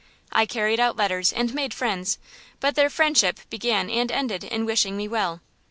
I carried out letters and made friends, but their friendship began and ended in wishing me well.